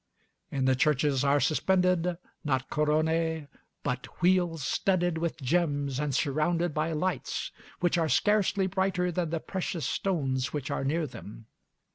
In the churches are suspended, not coronae, but wheels studded with gems and surrounded by lights, which are scarcely brighter than the precious stones which are near them.